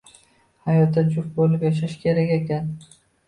Hayotda juft bo‘lib yashash kerak ekan